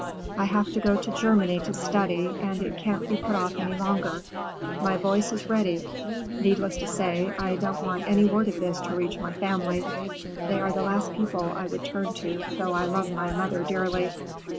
I have to go to Germany to study, and it can't be put off any longer. My voice is ready. Needless to say, I don't want any word of this to reach my family. They are the last people I would turn to, though I love my mother dearly.